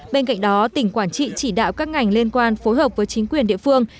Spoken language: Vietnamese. bên cạnh đó tỉnh quảng trị chỉ đạo các ngành liên quan phối hợp với chính quyền địa phương